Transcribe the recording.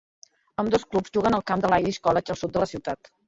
Ambdós clubs juguen al camp de l'Irish College al sud de la ciutat.